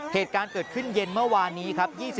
เหตุการณ์เกิดขึ้นเย็นเมื่อวานนี้ครับ